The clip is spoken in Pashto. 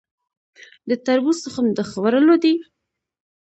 د تربوز تخم د خوړلو دی؟